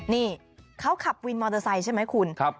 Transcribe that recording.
นี่เขาขับวินมอเตอร์ไซค์ใช่ไหมคุณ